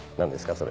それ。